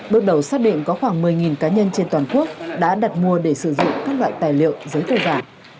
bước đầu xác định có khoảng một mươi cá nhân trên toàn quốc đã đặt mua để sử dụng các loại tài liệu giấy tờ giả